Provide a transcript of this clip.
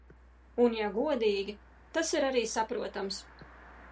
Un ja godīgi, tas ir arī saprotams.